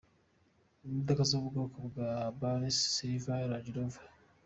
imodoka zo mu bwoko bwa Bentley, Silver Range Rover,.